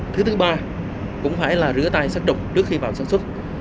thứ thứ ba cũng phải là rửa tay sắc độc trước khi vào sản xuất